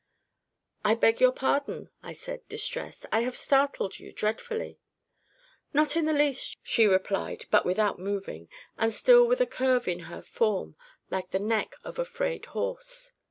"I beg your pardon," I said, distressed; "I have startled you dreadfully." "Not in the least," she replied, but without moving, and still with a curve in her form like the neck of a frayed horse.